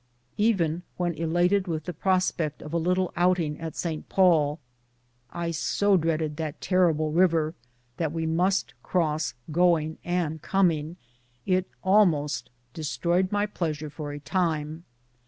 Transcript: Even when elated with the prospect of a little outing at St. Paul, I so dreaded that terrible river that we must cross going and coming, it almost destroyed my pleasure for a time.